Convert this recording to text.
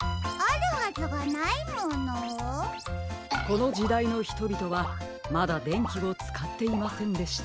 このじだいのひとびとはまだでんきをつかっていませんでした。